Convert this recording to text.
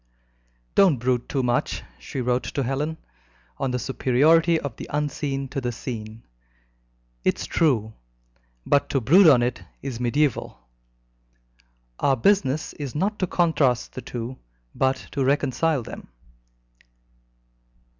"Don't brood too much," she wrote to Helen, "on the superiority of the unseen to the seen. It's true, but to brood on it is mediaeval. Our business is not to contrast the two, but to reconcile them."